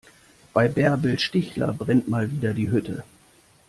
Bei Bärbel Stichler brennt mal wieder die Hütte.